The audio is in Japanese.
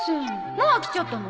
もう飽きちゃったの？